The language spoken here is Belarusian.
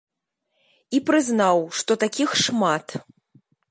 І прызнаў, што такіх шмат.